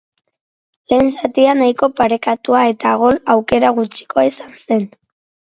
Lehen zatia nahiko parekatua eta gol aukera gutxikoa izan zen.